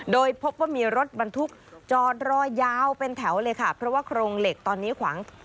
โดยพบว่ามีรถบรรทุกจอดรอยาวเป็นแถวเลยค่ะเพราะว่าโครงเหล็กตอนนี้ขวาง